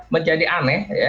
menjadi aneh ya